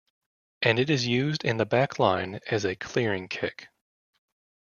And it is used in the back line as a clearing kick.